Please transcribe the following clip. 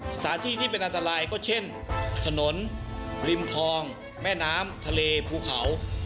สถานที่ที่เป็นอันตรายก็เช่นถนนริมคลองแม่น้ำทะเลภูเขา